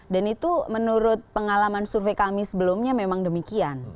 dan itu menurut pengalaman survei kami sebelumnya memang demikian